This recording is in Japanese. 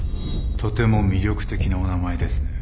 とても魅力的なお名前ですね